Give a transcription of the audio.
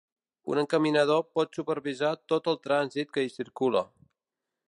Un encaminador pot supervisar tot el trànsit que hi circula.